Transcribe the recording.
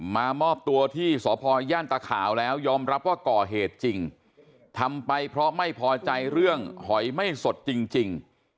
มามอบตัวที่สพย่านตะขาวแล้วยอมรับว่าก่อเหตุจริงทำไปเพราะไม่พอใจเรื่องหอยไม่สดจริง